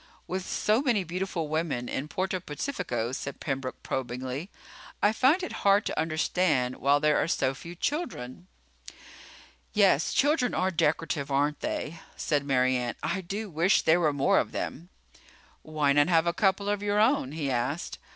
"With so many beautiful women in Puerto Pacifico," said Pembroke probingly, "I find it hard to understand why there are so few children." "Yes, children are decorative, aren't they," said Mary Ann. "I do wish there were more of them." "Why not have a couple of your own?" he asked.